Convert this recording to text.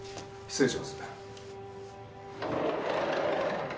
失礼します。